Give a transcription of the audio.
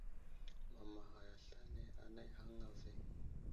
Mamaghay aslane anay ghaŋŋa ve.